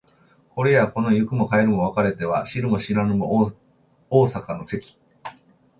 これやこの行くも帰るも別れては知るも知らぬも逢坂の関